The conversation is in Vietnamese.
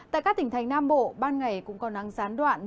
tại các tỉnh thành nam bộ ban ngày cũng có nắng gián đoạn